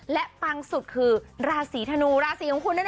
และปังสุดคือราศีธนูราศีของคุณนั่นเอง